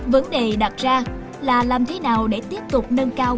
vấn đề đặt ra là làm thế nào để tiếp tục nâng cao